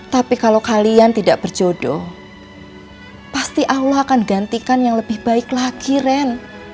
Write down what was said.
tapi kalau kalian tidak berjodoh pasti allah akan gantikan yang lebih baik lagi ren